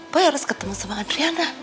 gue harus ketemu sama adriana